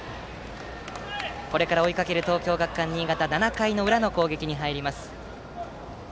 これから追いかける東京学館新潟７回の裏の攻撃に入ります。